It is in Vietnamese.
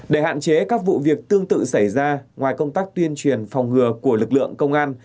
để hạn chế các vụ việc tương tự xảy ra ngoài công tác tuyên truyền phòng ngừa của lực lượng công an